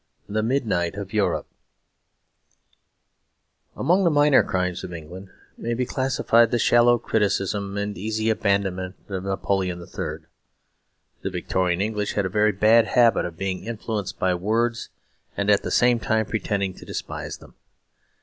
VII The Midnight of Europe Among the minor crimes of England may be classed the shallow criticism and easy abandonment of Napoleon III. The Victorian English had a very bad habit of being influenced by words and at the same time pretending to despise them.